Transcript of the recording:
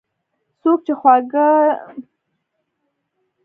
څوک چې خواړه یوازې خوري.